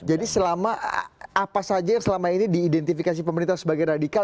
jadi selama apa saja yang selama ini diidentifikasi pemerintah sebagai radikal